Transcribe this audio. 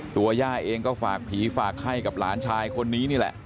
ย่าเองก็ฝากผีฝากไข้กับหลานชายคนนี้นี่แหละ